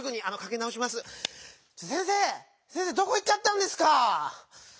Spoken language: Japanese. どこいっちゃったんですかぁ。